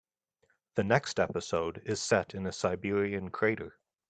The next episode is set in a Siberian crater.